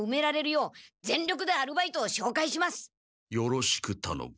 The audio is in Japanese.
よろしくたのむ。